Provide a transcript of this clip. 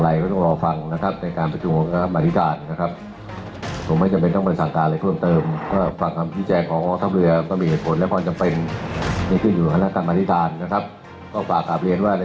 อย่างน้อยพร้อมพิวเตียงครั้งหน้าครั้งหน้า